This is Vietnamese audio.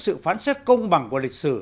sự phán xét công bằng của lịch sử